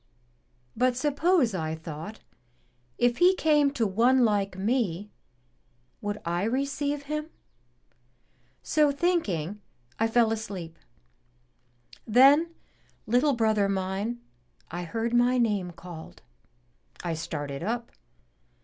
But suppose, 197 M Y BOOK HOUSE I thought, if He came to one like me, would I receive Him? So thinking, I fell asleep. Then, little brother mine, I heard my name called. I started up.